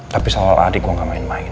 tapi soal adik gue gak main main